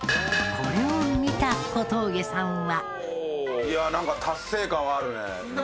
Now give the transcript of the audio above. これを見た小峠さんは。